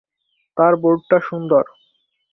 তার বোর্ডটা সুন্দর।